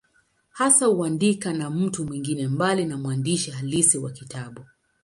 Hasa huandikwa na mtu mwingine, mbali na mwandishi halisi wa kitabu.